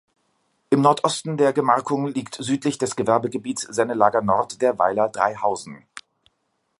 Im Nordosten der Gemarkung liegt südlich des Gewerbegebiets Sennelager-Nord der Weiler Dreihausen.